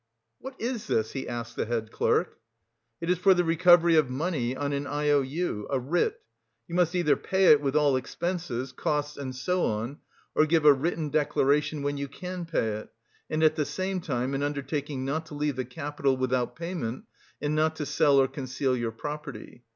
"What is this?" he asked the head clerk. "It is for the recovery of money on an I O U, a writ. You must either pay it, with all expenses, costs and so on, or give a written declaration when you can pay it, and at the same time an undertaking not to leave the capital without payment, and nor to sell or conceal your property.